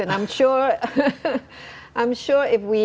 saya percaya pada anda